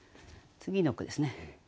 次の句ですね。